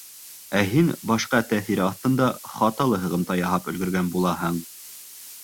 Ә һин башҡа тәьҫир аҫтында хаталы һығымта яһап өлгөргән булаһың.